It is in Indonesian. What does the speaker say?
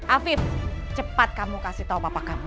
afid cepat kamu kasih tahu papa kamu